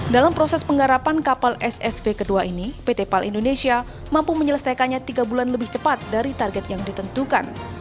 dalam proses penggarapan kapal ssv kedua ini pt pal indonesia mampu menyelesaikannya tiga bulan lebih cepat dari target yang ditentukan